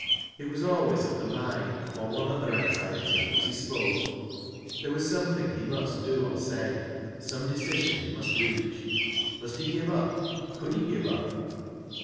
It was always of the mine, or one other anxiety, that he spoke. There was something he must do or say, — some de cision he must reach. Must he give up ? Could he give up